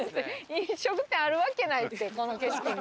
飲食店あるわけないってこの景色の中に。